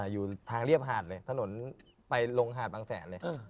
อยู่ทางเรียบหาดเลยถนนไปลงหาดบางแสนเลย